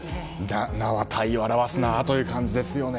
名は体を表すなという感じですね。